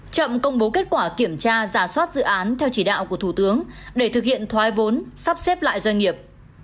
chậm công bố kết quả kiểm tra giả soát dự án theo chỉ đạo của thủ tướng để thực hiện thoái vốn sắp xếp lại doanh nghiệp